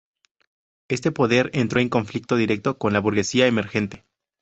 Este poder entró en conflicto directo con la burguesía emergente.